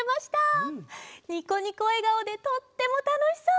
ニコニコえがおでとってもたのしそう！